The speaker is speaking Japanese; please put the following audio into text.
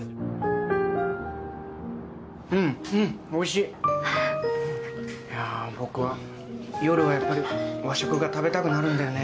いや僕は夜はやっぱり和食が食べたくなるんだよね。